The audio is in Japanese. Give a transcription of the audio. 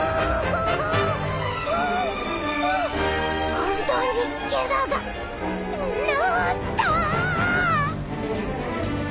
本当にケガが治った！